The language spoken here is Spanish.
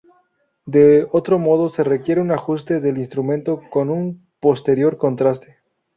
De otro modo, se requiere un ajuste del instrumento con un posterior contraste.